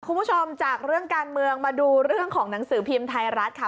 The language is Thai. คุณผู้ชมจากเรื่องการเมืองมาดูเรื่องของหนังสือพิมพ์ไทยรัฐค่ะ